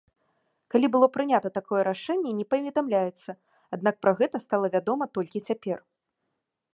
Калі было прынята такое рашэнне не паведамляецца, аднак пра гэта стала вядома толькі цяпер.